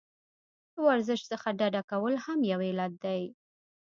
له ورزش څخه ډډه کول هم یو علت دی.